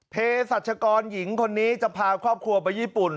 เพศรัชกรหญิงคนนี้จะพาครอบครัวไปญี่ปุ่น